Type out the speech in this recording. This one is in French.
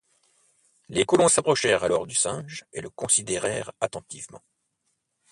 Les colons s’approchèrent alors du singe et le considérèrent attentivement.